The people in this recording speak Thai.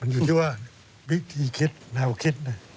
อยู่ที่ว่าวิธีคิดแนวคิด